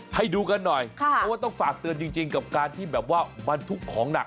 ให้ดูกันหน่อยเพราะว่าต้องฝากเตือนจริงกับการที่แบบว่าบรรทุกของหนัก